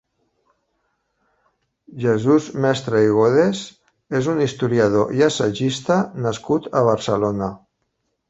Jesús Mestre i Godes és un historiador i assagista nascut a Barcelona.